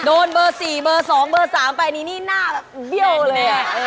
โดนเบอร์๔เบอร์๒เบอร์๓ไปนี่นี่หน้าแบบเบี้ยวเลย